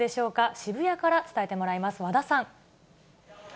渋谷から伝えてもらいます。